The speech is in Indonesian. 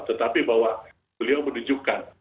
tetapi bahwa beliau menunjukkan